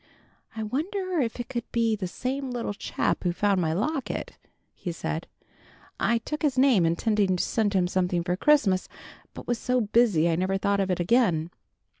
"I wonder if it could be the same little chap who found my locket," he said. "I took his name intending to send him something Christmas, but was so busy I never thought of it again."